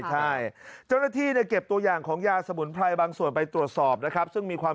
ใช่เจ้าหน้าที่เก็บตัวอย่างของยาสมุนไพรบางส่วนไปตรวจสอบนะครับ